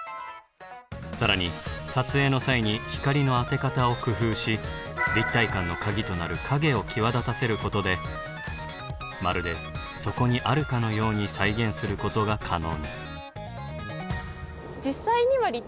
更に撮影の際に光の当て方を工夫し立体感のカギとなる影を際立たせることでまるでそこにあるかのように再現することが可能に。